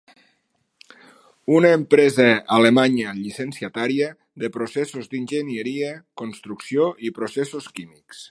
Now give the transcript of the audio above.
Una empresa alemanya llicenciatària de processos d'enginyeria, construcció i processos químics.